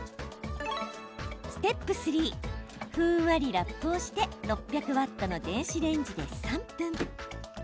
ステップ３ふんわりラップをして６００ワットの電子レンジで３分。